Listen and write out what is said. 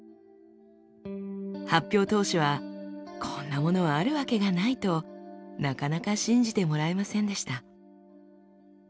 発表当初はこんなものはあるわけがないとなかなか信じてもらえませんでした。